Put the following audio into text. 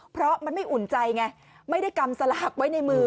เพราะมันไม่อุ่นใจไงไม่ได้กำสลากไว้ในมือ